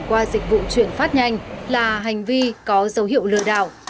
qua dịch vụ chuyển phát nhanh là hành vi có dấu hiệu lừa đảo